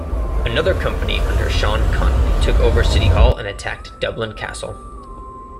Another company under Sean Connolly took over City Hall and attacked Dublin Castle.